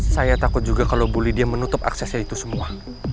saya takut juga kalau bully dia menutup aksesnya itu semua